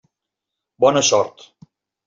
Bona sort.